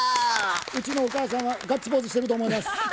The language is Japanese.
うちのお母さんはガッツポーズしてると思います。